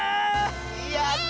えやった！